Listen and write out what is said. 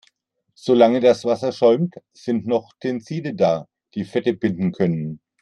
Solange das Wasser schäumt, sind noch Tenside da, die Fette binden können.